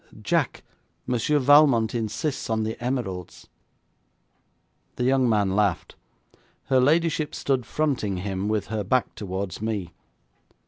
'Jack, Monsieur Valmont insists on the emeralds.' The young man laughed. Her ladyship stood fronting him with her back towards me.